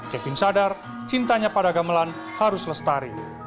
kevin sadar cintanya pada gamelan harus lestari